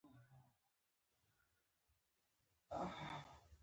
د جرم انګېزه راکمه شي.